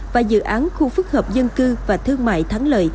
và dự án khu phức hợp dân cư và thương mại thắng lợi